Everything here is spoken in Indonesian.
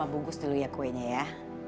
bungkus dulu ya kuenya ya